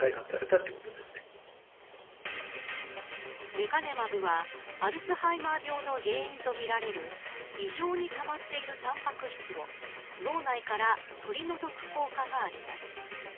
レカネマブはアルツハイマー病の原因とみられる異常にたまっているタンパク質を脳内から取り除く効果があります。